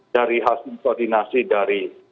dari hasil koordinasi dari